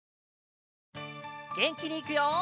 げんきにいくよ！